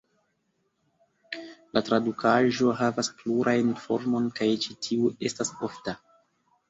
La tradukaĵo havas plurajn formojn kaj ĉi tiu estas ofta.